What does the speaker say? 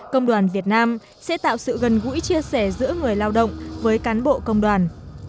công đoàn việt nam sẽ tạo sự gần gũi chia sẻ giữa người lao động với cán bộ công đoàn